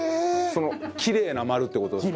そのきれいな丸って事ですか？